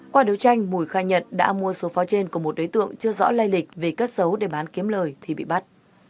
qua đấu tranh mùi khai nhận đã mua số pháo trên của một đối tượng chưa rõ lây lịch về cất xấu để bán kiếm lời thì bị bắt